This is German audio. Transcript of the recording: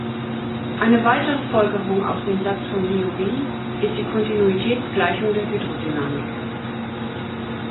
Eine weitere Folgerung aus dem Satz von Liouville ist die Kontinuitätsgleichung der Hydrodynamik.